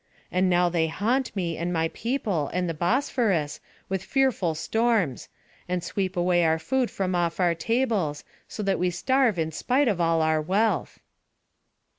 And now they haunt me, and my people, and the Bosphorus, with fearful storms; and sweep away our food from off our tables, so that we starve in spite of all our wealth."